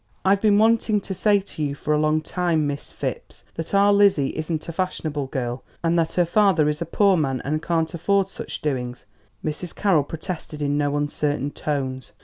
"I've been wanting to say to you for a long time, Miss Phipps, that our Lizzie isn't a fashionable girl, and that her father is a poor man and can't afford such doings," Mrs. Carroll protested in no uncertain tones.